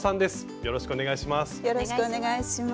よろしくお願いします。